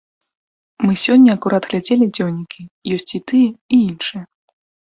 Мы сёння акурат глядзелі дзённікі, ёсць і тыя, і іншыя.